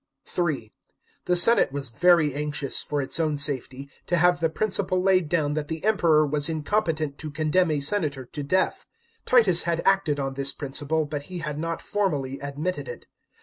(3) The senate was very anxious, for its own safety, to have the principle laid down that the Emperor was incompetent to condemn a senator to death. Titus had acted on this principle, hut he had not formally admitted it.